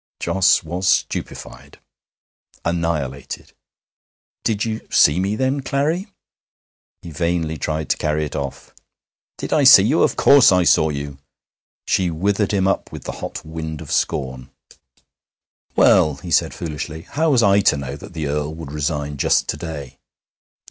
Jos was stupefied, annihilated. 'Did you see me, then, Clarry?' He vainly tried to carry it off. 'Did I see you? Of course I saw you!' She withered him up with the hot wind of scorn. 'Well,' he said foolishly, 'how was I to know that the Earl would resign just to day?'